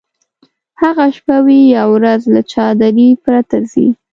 هغه شپه وي یا ورځ له چادرۍ پرته ځي.